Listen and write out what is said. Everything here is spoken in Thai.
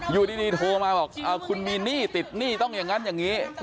อยู่ดีโทรมาบอกคุณมีหนี้ติดหนี้ต้องอย่างนั้นอย่างนี้